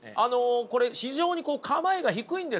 これ非常に構えが低いんですよね。